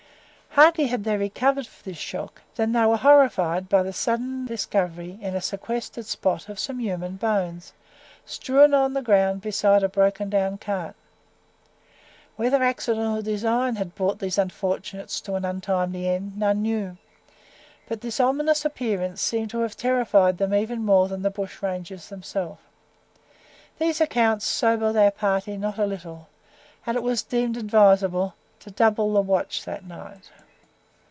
Hardly had they recovered this shock, than they were horrified by the sudden discovery in a sequestered spot of some human bones, strewn upon the ground beside a broken down cart. Whether accident or design had brought these unfortunates to an untimely end, none know; but this ominous appearance seemed to have terrified them even more than the bushrangers themselves. These accounts sobered our party not a little, and it was deemed advisable to double the watch that night.